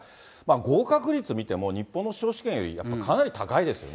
合格率見ても、日本の司法試験よりかなり高いですよね。